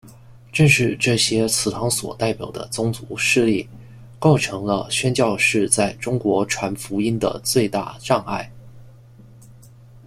但正是这些祠堂所代表的宗族势力构成了宣教士在中国传福音的最大障碍。